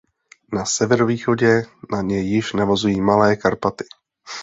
Na severovýchodě na ně již navazují Malé Karpaty.